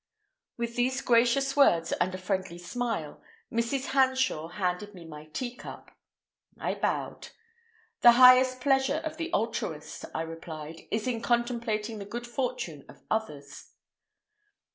With these gracious words and a friendly smile, Mrs. Hanshaw handed me my tea cup. I bowed. "The highest pleasure of the altruist," I replied, "is in contemplating the good fortune of others."